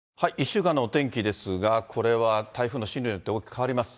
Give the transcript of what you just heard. １週間のお天気ですが、これは台風の進路によって大きく変わります。